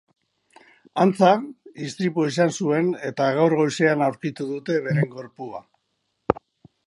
Antza, istripua izan zuen, eta gaur goizean aurkitu dute bere gorpua.